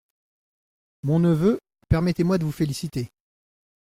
Mon neveu, permettez-moi de vous féliciter…